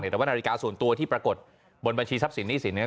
แต่ว่านาฬิกาส่วนตัวที่ปรากฏบนบัญชีทรัพย์สินหนี้สินเนี่ย